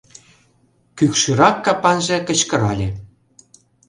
— кӱкшӱрак капанже кычкырале.